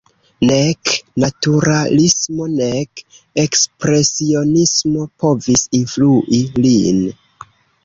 Nek naturalismo nek ekspresionismo povis influi lin.